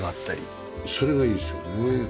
それがいいですよね。